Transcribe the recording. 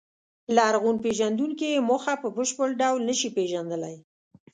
لرغونپېژندونکي یې موخه په بشپړ ډول نهشي پېژندلی.